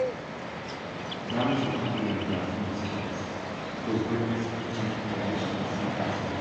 Damage to capillary beds in the skin causes redness, itching, inflammation, and sometimes blisters.